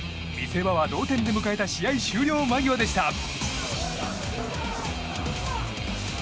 見せ場は同点で迎えた試合終了間際でした。